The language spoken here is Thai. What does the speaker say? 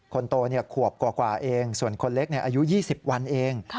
คนโตเนี่ยขวบกว่าเองส่วนคนเล็กเนี่ยอายุ๒๐วันเอง